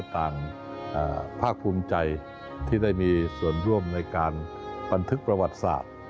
ภาคภูมิใจที่ได้มีส่วนร่วมในการบันทึกประวัติศาสตร์